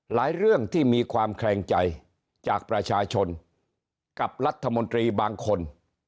เรื่องที่มีความแคลงใจจากประชาชนกับรัฐมนตรีบางคน